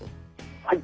はい。